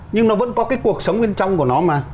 nhưng nó vẫn có cái cuộc sống bên trong của nó mà